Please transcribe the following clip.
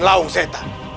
mereka sudah terbatas